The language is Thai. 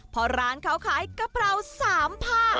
เพราะร้านเขาขายกะเพรา๓ผ้า